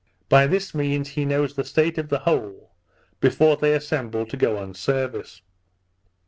By this means he knows the state of the whole, before they assemble to go on service.